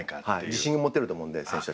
自信も持てると思うので選手たちも。